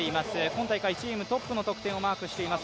今大会チームトップの得点をマークしています